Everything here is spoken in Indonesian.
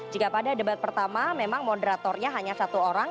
jika pada debat pertama memang moderatornya hanya satu orang